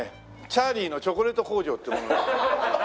『チャーリーとチョコレート工場』っていう者。